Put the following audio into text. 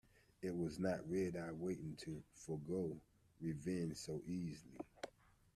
It was not Red-Eye's way to forego revenge so easily.